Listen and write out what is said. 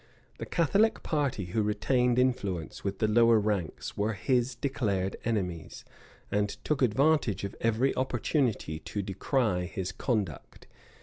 The Catholic party who retained influence with the lower ranks, were his declared enemies, and took advantage of every opportunity to decry his conduct.